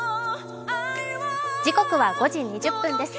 時刻は５時２０分です。